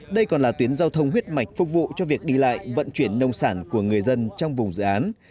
đây còn là tuyến giao thông huyết mạch phục vụ cho việc đi lại vận chuyển nông sản của người dân trong vùng dự án